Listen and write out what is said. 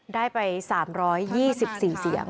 ได้ไป๓๒๔เสียง